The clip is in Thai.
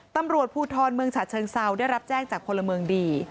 ตำรวจภูทรเมืองฉะเชิงเซาได้รับแจ้งจากพลเมืองดี